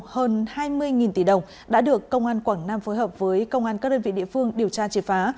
hơn hai mươi tỷ đồng đã được công an quảng nam phối hợp với công an các đơn vị địa phương điều tra triệt phá